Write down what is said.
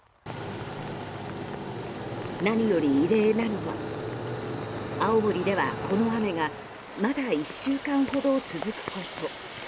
何より異例なのは青森では、この雨がまだ１週間ほど続くこと。